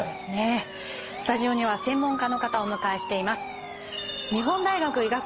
スタジオには専門家の方をお迎えしています。